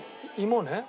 芋ね。